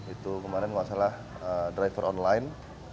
itu kemarin masalah driver online